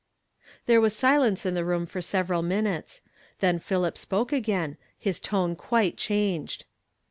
There was silence ' the ro(mi for several min utes ; tlien Philip spoke again, his tone quite changed.